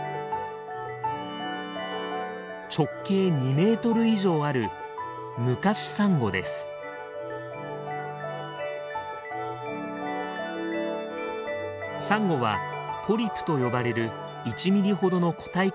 直径２メートル以上あるサンゴは「ポリプ」と呼ばれる１ミリほどの個体からできています。